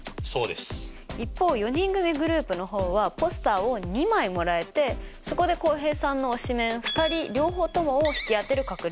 一方４人組グループの方はポスターを２枚もらえてそこで浩平さんの推しメン２人両方ともを引き当てる確率。